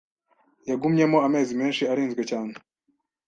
Yagumyeyo amezi menshi arinzwe cyane.